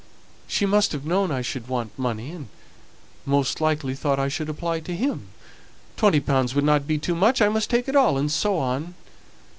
She must have known I should want money, and most likely thought I should apply to him. Twenty pounds wouldn't be too much, I must take it all, and so on.